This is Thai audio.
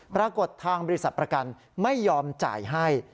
ปรากฏทางบริษัทประกันไม่ยอมจ่ายให้